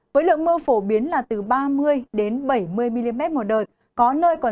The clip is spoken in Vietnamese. với lượng mưa phổ biến là từ ba mươi ba mươi năm độ